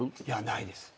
ないです。